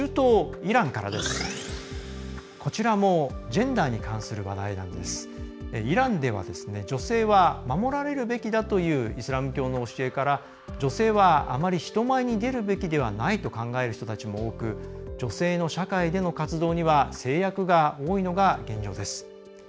イランでは女性は守られるべきだというイスラム教の教えから女性は、あまり人前に出るべきではないと考える人たちも多く女性の社会での活動には制約が多いのが現状です。